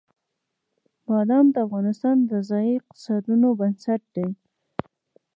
بادام د افغانستان د ځایي اقتصادونو بنسټ دی.